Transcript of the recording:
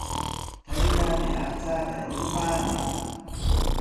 Taytaami aqchaata rutupaamaq.